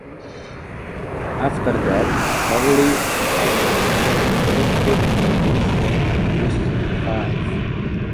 After that, Corley acted in fourteen movies, then produced five.